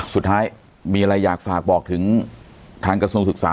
สุดท้ายมีอะไรอยากฝากบอกถึงทางกระทรวงศึกษา